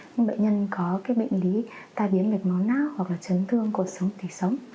những bệnh nhân có cái bệnh lý tai biến mệt máu náo hoặc là chấn thương cột sống tỉ sống